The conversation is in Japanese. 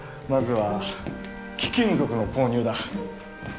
まずは貴金属の購入だ。